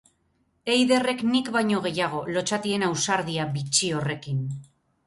Eiderrek nik baino gehiago, lotsatien ausardia bitxi horrekin.